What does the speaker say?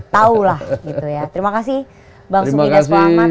terima kasih bang sumi nasko ahmad